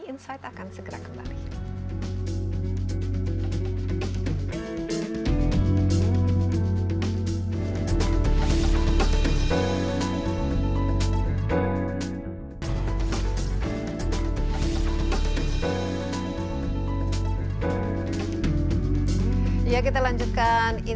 insight akan segera kembali